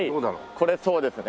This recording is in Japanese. これそうですね。